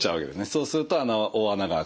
そうすると大穴があくと。